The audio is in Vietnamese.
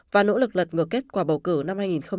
và nỗ lực lật ngược kết quả bầu cử năm hai nghìn hai mươi